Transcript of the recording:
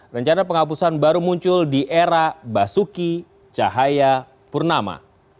rencana penghapusan baru muncul di era basuki cahaya purnama